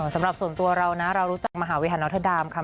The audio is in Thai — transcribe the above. สำหรับส่วนตัวเรานะเรารู้จักมหาเวฮานอทดามค่ะ